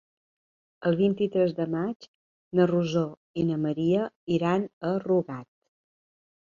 El vint-i-tres de maig na Rosó i na Maria iran a Rugat.